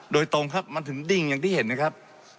โดยตรงครับมันถึงดิ้งอย่างที่เห็นนะครับ